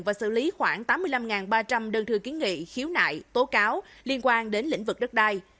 và xử lý khoảng tám mươi năm ba trăm linh đơn thư kiến nghị khiếu nại tố cáo liên quan đến lĩnh vực đất đai